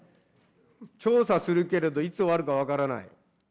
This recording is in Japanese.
調査するけれど、いつ終わるか分からない。